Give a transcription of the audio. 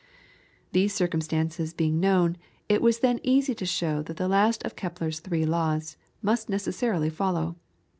These circumstances being known, it was then easy to show that the last of Kepler's three laws must necessarily follow.